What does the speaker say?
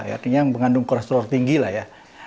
artinya yang mengandung kores telur tinggi lah ya